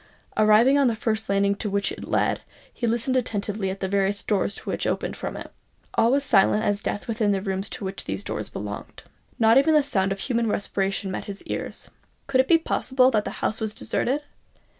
Arrived on the first landing to which it led, he listened attentively at the various doors which opened from it. All was silent as death within the rooms to which those doors belonged. Not even the sound of human respiration met his ears. Could it be possible that the house was deserted?